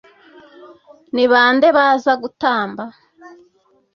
ni bande baza gutamba?